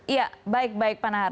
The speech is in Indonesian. ya baik baik pak nahar